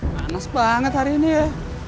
panas banget hari ini ya